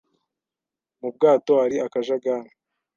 Mu bwato hari akajagari.